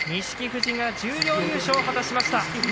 富士が十両優勝を果たしました。